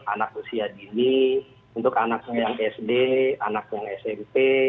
anak usia dini untuk anak saya yang sd anak yang smp